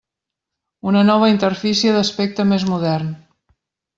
Una nova interfície d'aspecte més modern.